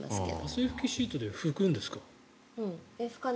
汗拭きシートで拭くんですか？